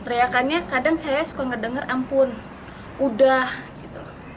teriakannya kadang saya suka ngedenger ampun udah gitu loh